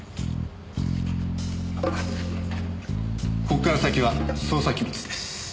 ここから先は捜査機密です。